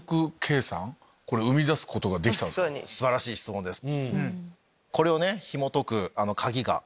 素晴らしい質問です。